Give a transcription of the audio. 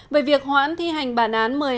về việc hoãn thi hành bản án